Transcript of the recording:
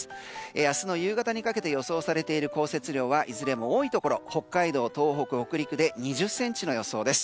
明日の夕方にかけて予想されている降雪量はいずれも多いところ北海道、東北、北陸で２０ｃｍの予想です。